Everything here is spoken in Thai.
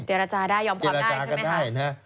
เจรจาได้ยอมความได้ใช่ไหมคะเจรจากันได้นะ